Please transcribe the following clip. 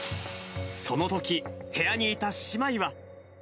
そのとき、部屋にいた姉妹は。